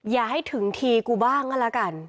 อย่าให้ถึงทีกูบ้างก็แล้วกัน